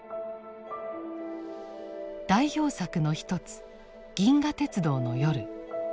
代表作の一つ「銀河鉄道の夜」。